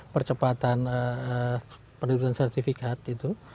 percepatan pendudukan sertifikat itu